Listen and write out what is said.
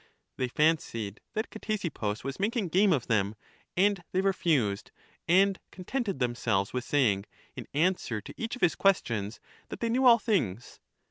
They fancied that Ctesippus was making game of them, and they refused, and eon tented themselves with saying, in answer to each of his questions, that they knew all things.